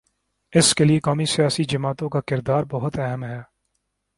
اس کے لیے قومی سیاسی جماعتوں کا کردار بہت اہم ہے۔